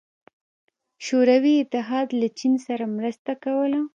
شوروي اتحاد له چین سره مرسته کوله.